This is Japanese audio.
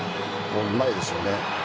うまいですよね。